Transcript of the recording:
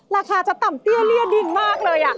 ราคาจะต่ำเตี้ยเรียดินมากเลย